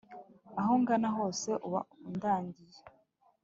aho ngana hose uba undagiye